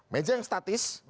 meja yang statis